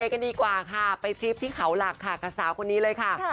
กันดีกว่าค่ะไปทริปที่เขาหลักค่ะกับสาวคนนี้เลยค่ะ